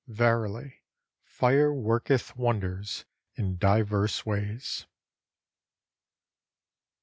Verily, fire worketh wonders in divers ways.